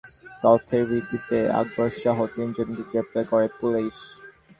তাঁকে জিজ্ঞাসাবাদ করে পাওয়া তথ্যের ভিত্তিতে আকবরসহ তিনজনকে গ্রেপ্তার করে পুলিশ।